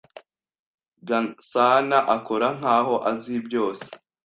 Gasanaakora nkaho azi byose.